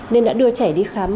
nên đã đưa trẻ đi khám